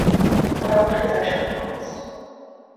Braucht Gesellschaft Kunst?